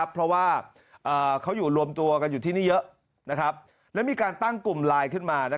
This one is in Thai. เพราะว่าเขาอยู่รวมตัวกันอยู่ที่นี่เยอะและมีการตั้งกลุ่มไลน์ขึ้นมา